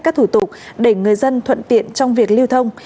các thủ tục để người dân thuận tiện trong việc lưu thông